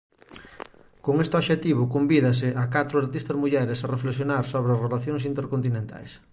Con este obxectivo convídase a catro artistas mulleres a reflexionar sobre as relacións intercontinentais.